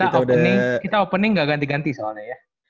kita opening gak ganti ganti soalnya ya